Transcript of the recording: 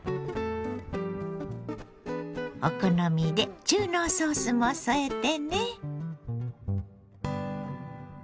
お好みで中濃ソースも添えてね。